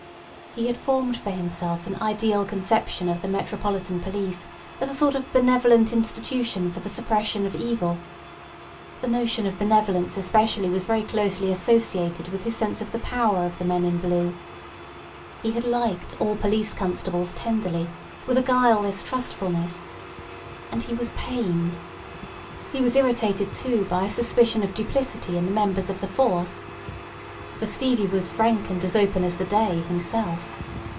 He had formed for himself an ideal conception of the metropolitan police as a sort of benevolent institution for the suppression of evil. The notion of benevolence especially was very closely associated with his sense of the power of the men in blue. He had liked all police constables tenderly, with a guileless trustfulness. And he was pained. He was irritated, too, by a suspicion of duplicity in the members of the force. For Stevie was frank and as open as the day himself.